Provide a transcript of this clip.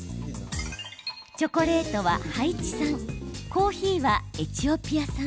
チョコレートはハイチ産コーヒーはエチオピア産。